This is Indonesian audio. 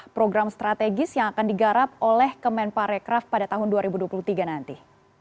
program strategis yang akan digarap oleh kemenparekraf pada tahun dua ribu dua puluh tiga nanti